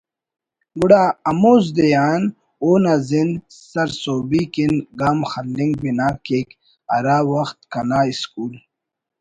گڑا ہموزدے آن اونا زند سرسہبی کن گام خلنگ بنا کیک ہرا وخت کنا اسکول